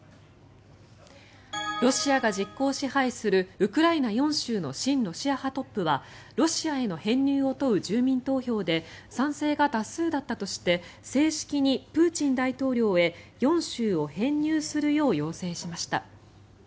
ロシアが実効支配するウクライナ４州の親ロシア派トップはロシアへの編入を問う住民投票で賛成が多数だったとして正式にプーチン大統領へ４州を編入するよう要請しました。